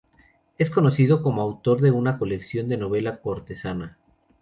Es conocido como autor de una colección de novela cortesana.